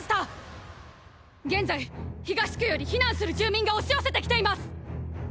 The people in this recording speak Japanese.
現在東区より避難する住民が押し寄せて来ています！！